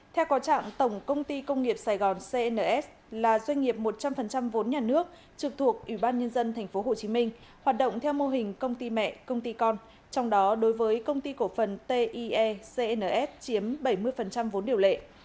theo có trạng tổng công ty công nghiệp sài gòn cns là doanh nghiệp một trăm linh vốn nhà nước trực thuộc ủy ban nhân dân tp hcm hoạt động theo mô hình công ty mẹ công ty con trong đó đối với công ty cổ phần tie cns chiếm bảy mươi vốn điều lệ